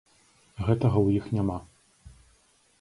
Гэтага ў іх няма.